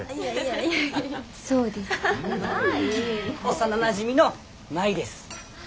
幼なじみの舞です。